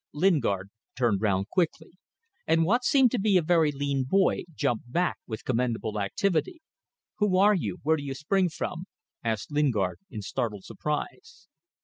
Lingard turned round quickly, and what seemed to be a very lean boy jumped back with commendable activity. "Who are you? Where do you spring from?" asked Lingard, in startled surprise.